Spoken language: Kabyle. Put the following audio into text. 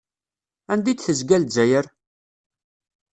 Anda i d-tezga Lezzayer?